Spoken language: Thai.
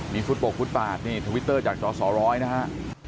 มีฟุตบกฟุตบาทนี่ทวิตเตอร์จากจอสอร้อยนะฮะ